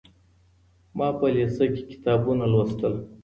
ما په لېسه کي کتابونه لوستل.